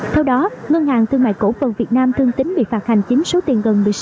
theo đó ngân hàng thương mại cổ phần việt nam thương tính bị phạt hành chính số tiền gần một mươi sáu triệu